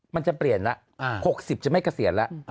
มันจะเปลี่ยนละ๖๐จะไม่เกษียณละ